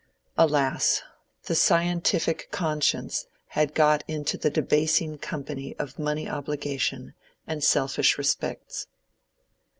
Alas! the scientific conscience had got into the debasing company of money obligation and selfish respects.